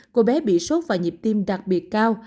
cô bé bị sốt và nhịp tim đặc biệt cao